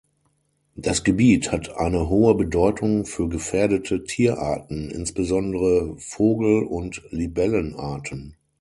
Das Gebiet hat eine hohe Bedeutung für gefährdete Tierarten, insbesondere Vogel- und Libellenarten.